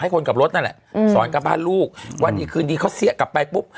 คนขับรถนั่นแหละอืมสอนกลับบ้านลูกวันดีคืนดีเขาเสี้ยกลับไปปุ๊บ